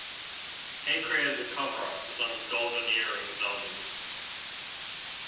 Hay created the cover art for some of Golden Earring's albums.